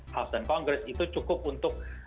house dan congress itu cukup untuk